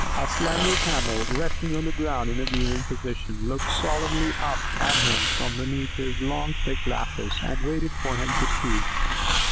A slender Camel, resting on the ground in a kneeling position, looked solemnly up at him from beneath his long thick lashes, and waited for him to speak.